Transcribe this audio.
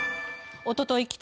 おととい